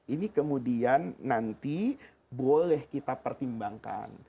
ini kemudian nanti boleh kita pertimbangkan